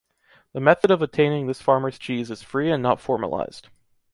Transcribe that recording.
The method of obtaining this farmer’s cheese is free and not formalized.